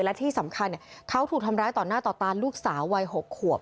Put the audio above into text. และที่สำคัญเขาถูกทำร้ายต่อหน้าต่อตาลูกสาววัย๖ขวบ